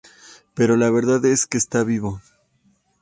Pero la verdad es que está vivo.